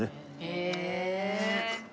へえ！